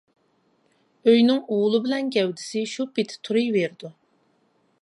ئۆينىڭ ئۇلى بىلەن گەۋدىسى شۇ پېتى تۇرۇۋېرىدۇ.